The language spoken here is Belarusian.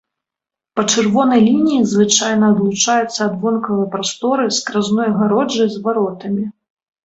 Па чырвонай лініі звычайна адлучаецца ад вонкавай прасторы скразной агароджай з варотамі.